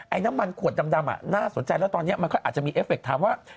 น้ำมันขวดดำน่าสนใจแล้วตอนนี้มันก็อาจจะมีเอฟเคถามว่า